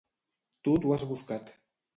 Tu t'ho has buscat!